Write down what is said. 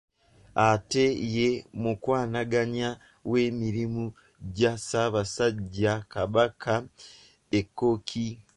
Ate ye mukwanaganya w'emirimu gya Ssaabasajja Kabaka e Kkooki.